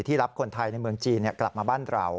รับคนไทยในเมืองจีนกลับมาบ้านเรา